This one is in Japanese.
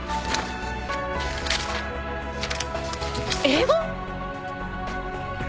英語！？